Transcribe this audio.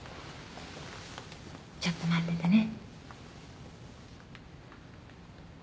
ちょっと待っててね。